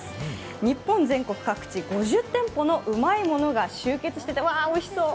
日本全国各地５０店舗のうまいものが集結していて、わおいしそう！